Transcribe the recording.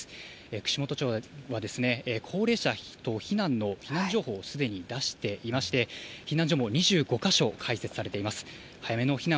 串本町は高齢者等避難の避難情報をすでに出していまして、避難所も２５か所開設されています。